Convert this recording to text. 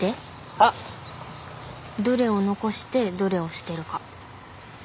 は？どれを残してどれを捨てるか。